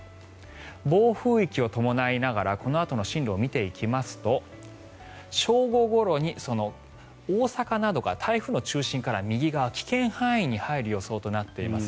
暴風域を伴いながらこのあとの進路を見ていきますと正午ごろに大阪などが台風の中心から右側危険半円に入る予想となっています。